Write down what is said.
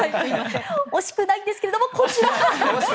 惜しくないんですけれどもこちら！